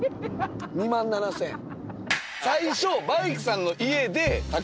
２万７０００円。